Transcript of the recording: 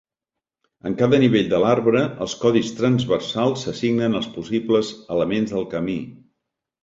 En cada nivell de l'arbre, els codis transversals s'assignen als possibles elements del camí.